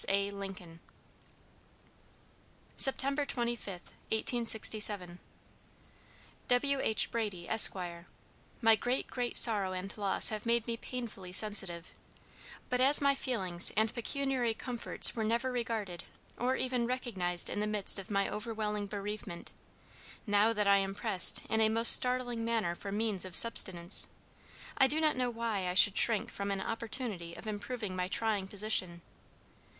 A. LINCOLN." "Sept. 25, 1867. "W.H. BRADY, ESQ.: My great, great sorrow and loss have made me painfully sensitive, but as my feelings and pecuniary comforts were never regarded or even recognized in the midst of my overwhelming bereavement now that I am pressed in a most startling manner for means of subsistence, I do not know why I should shrink from an opportunity of improving my trying position.